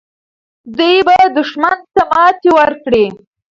دوی به دښمن ته ماتې ورکړي.